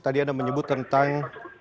tadi anda menyebut tentang